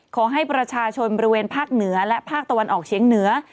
ขอให้ประชาชนบริเวณภาคเหนือและภาคตะวันออกเฉียงเหนือ